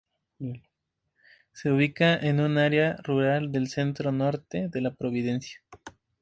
Se ubica en un área rural del centro-norte de la provincia.